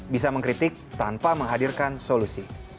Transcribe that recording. bisa mengkritik tanpa menghadirkan solusi